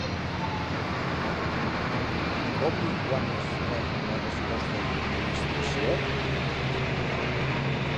Com i quan es rep la resposta de l'Administració?